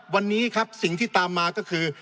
วันนี้ครับสิ่งที่ตามมาก็คือ